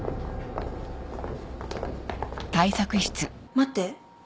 待って。